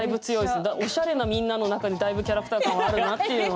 おしゃれなみんなの中でだいぶキャラクター感はあるなっていうのは。